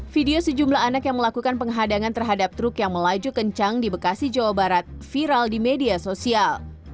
video sejumlah anak yang melakukan penghadangan terhadap truk yang melaju kencang di bekasi jawa barat viral di media sosial